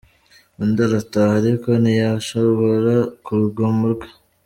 Undi arataha, ariko ntiyacogora ku rugomo rwe.